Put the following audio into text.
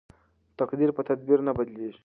تقدیر په تدبیر نه بدلیږي.